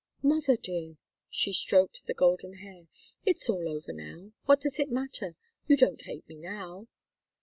"Mother dear " she stroked the golden hair "it's all over now. What does it matter? You don't hate me now!"